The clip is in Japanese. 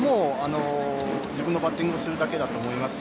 自分のバッティングをするだけだと思います。